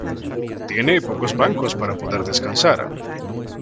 Tiene pocos bancos para poder descansar.